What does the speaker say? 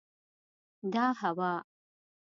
دا هوا